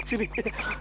terima kasih bu